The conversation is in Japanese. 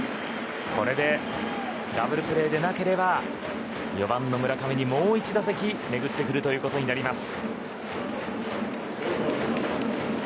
これでダブルプレーでなければ４番の村上にもう１打席巡ってくるということになります。